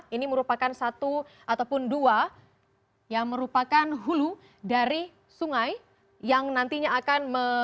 ini merupakan satu ataupun dua yang merupakan hulu dari sungai yang nantinya akan